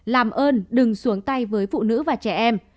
làm ơn đừng xuống tay với phụ nữ và trẻ em